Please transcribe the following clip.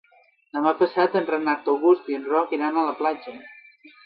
Demà passat en Renat August i en Roc iran a la platja.